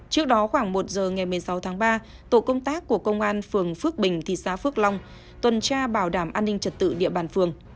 trước đó khoảng một giờ ngày một mươi sáu tháng ba tổ công tác của công an phường phước bình thị xã phước long tuần tra bảo đảm an ninh trật tự địa bàn phường